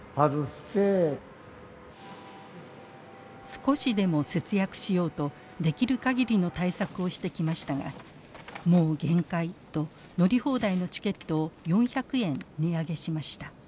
少しでも節約しようとできる限りの対策をしてきましたがもう限界と乗り放題のチケットを４００円値上げしました。